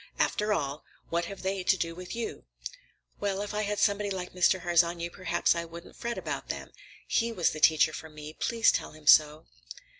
After all, what have they to do with you?" "Well, if I had somebody like Mr. Harsanyi, perhaps I wouldn't fret about them. He was the teacher for me. Please tell him so."